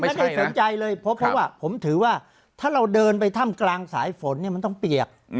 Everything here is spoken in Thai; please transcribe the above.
ไม่ได้สนใจเลยเพราะว่าผมถือว่าถ้าเราเดินไปถ้ำกลางสายฝนเนี่ยมันต้องเปียก